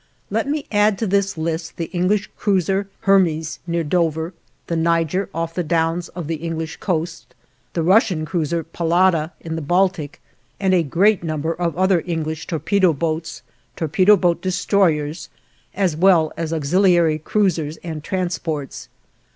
Let me add to this list the English cruiser "Hermes" near Dover, the "Niger" off the Downs of the English coast; the Russian cruiser "Pallada" in the Baltic; and a great number of other English torpedo boats, torpedo boat destroyers, as well as auxiliary cruisers and transports.